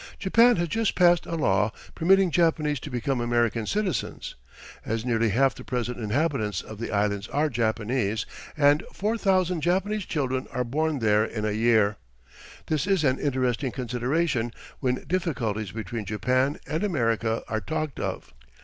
Japan has just passed a law permitting Japanese to become American citizens. As nearly half the present inhabitants of the Islands are Japanese and 4,000 Japanese children are born there in a year, this is an interesting consideration when difficulties between Japan and America are talked of.